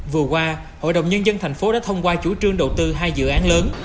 vừa qua hội đồng nhân dân thành phố đã thông qua chủ trương đầu tư hai dự án lớn